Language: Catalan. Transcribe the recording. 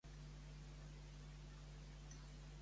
Cap a on va navegar Ceix?